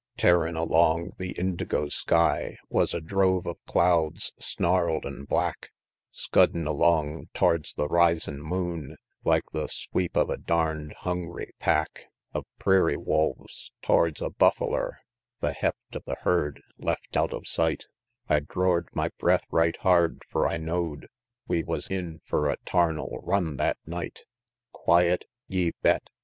XXVI. Tearin' along the indigo sky Wus a drove of clouds, snarl'd an' black; Scuddin' along to'ards the risin' moon, Like the sweep of a darn'd hungry pack Of preairie wolves to'ard a bufferler, The heft of the herd, left out of sight; I dror'd my breath right hard, fur I know'd We wus in fur a'tarnal run thet night. XXVII. Quiet? Ye bet!